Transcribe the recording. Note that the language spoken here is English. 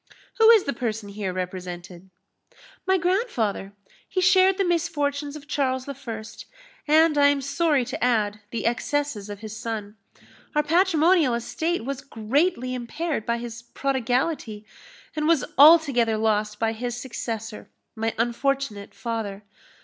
Who is the person here represented?" "My grandfather. He shared the misfortunes of Charles I., and, I am sorry to add, the excesses of his son. Our patrimonial estate was greatly impaired by his prodigality, and was altogether lost by his successor, my unfortunate father.